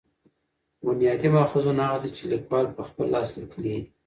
بنیادي ماخذونه هغه دي، چي لیکوال په خپل لاس لیکلي يي.